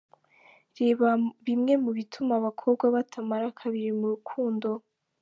reba bimwe mu bituma abakobwa batamara kabiri mu rukundo:.